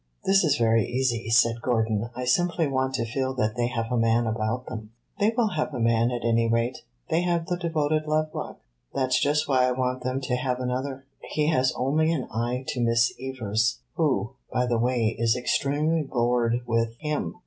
"This is very easy," said Gordon. "I simply want to feel that they have a man about them." "They will have a man at any rate they have the devoted Lovelock." "That 's just why I want them to have another. He has only an eye to Miss Evers, who, by the way, is extremely bored with him.